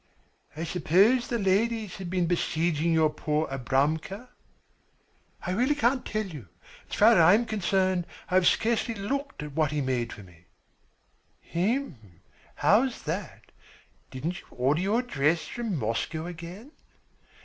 "I suppose the ladies have been besieging our poor Abramka?" "I really can't tell you. So far as I am concerned, I have scarcely looked at what he made for me." "Hm, how's that? Didn't you order your dress from Moscow again?"